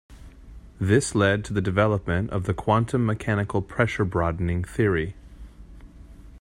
This led to development of the quantum-mechanical pressure broadening theory.